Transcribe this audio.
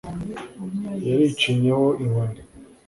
yaricinye ho inkoni